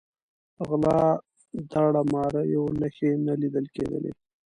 غلا، داړه ماریو نښې نه لیده کېدلې.